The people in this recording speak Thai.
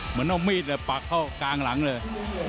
เหมือนเอามีดปักเข้ากลางหลังเลย